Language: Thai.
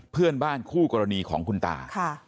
เพื่อนบ้านคู่กรณีของคุณตา